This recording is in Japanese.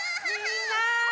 みんな！